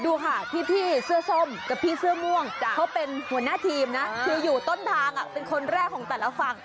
ดูค่ะพี่เสื้อส้มกับพี่เสื้อม่วงเขาเป็นหัวหน้าทีมนะคืออยู่ต้นทางเป็นคนแรกของแต่ละฝั่ง